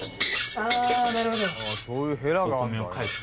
あなるほど。